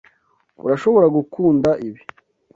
Urashobora gukunda ibi.